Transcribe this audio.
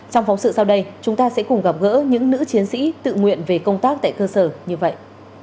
trong phóng sự sau đây chúng ta sẽ cùng gặp gỡ những nữ chiến sĩ tự nguyện về công tác tại cơ sở như vậy